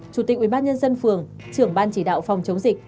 chủ tịch ubnd phường trưởng ban chỉ đạo phòng chống dịch